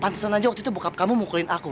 pantesan aja waktu itu bokap kamu mukulin aku